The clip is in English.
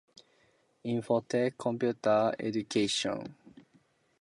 Infotech Computer Education.